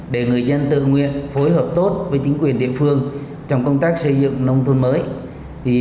để người dân tự nguyện phối hợp tốt với chính quyền địa phương trong công tác xây dựng nông thôn mới